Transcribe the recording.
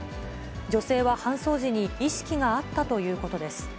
女性は搬送時に意識があったということです。